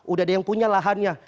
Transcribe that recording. udah ada yang punya lahannya